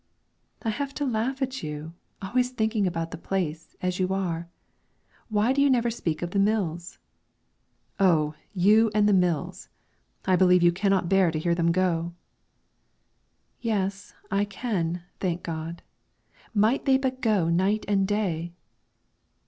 "I have to laugh at you, always talking about the place, as you are. Why do you never speak of the mills?" "Oh! you and the mills. I believe you cannot bear to hear them go." "Yes, I can, thank God! might they but go night and day!"